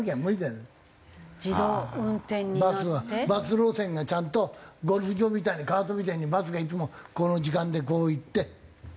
バス路線がちゃんとゴルフ場みたいにカートみたいにバスがいつもこの時間でこう行ってうん。